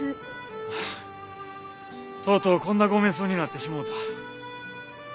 ああとうとうこんな御面相になってしもうた。